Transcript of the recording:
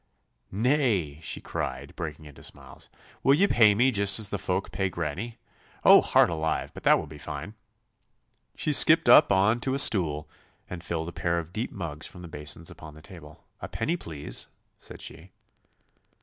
'Nay,' she cried, breaking into smiles, 'will ye pay me just as the folk pay granny? Oh, heart alive! but that will be fine!' She skipped up on to a stool and filled a pair of deep mugs from the basins upon the table. 'A penny, please!' said she.